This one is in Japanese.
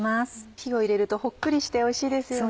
火を入れるとほっくりしておいしいですよね。